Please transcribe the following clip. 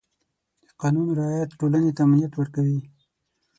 د قانون رعایت ټولنې ته امنیت ورکوي.